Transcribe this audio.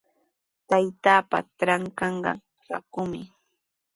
Taytaapa trankanqa rakumi.